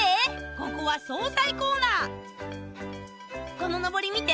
ここは総菜コーナーこののぼり見て！